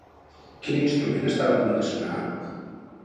Quin instrument estava a punt de sonar?